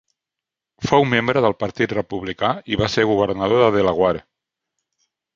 Fou membre del Partit Republicà i va ser governador de Delaware.